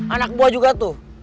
anak buah juga tuh